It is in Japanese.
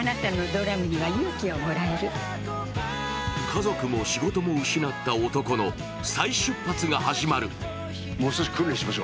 家族も仕事も失った男の再出発が始まる。